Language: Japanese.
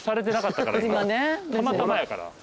たまたまやから。